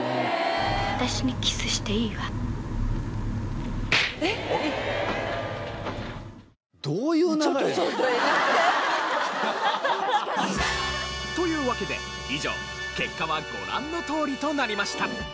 私にキスしていいわ。というわけで以上結果はご覧のとおりとなりました。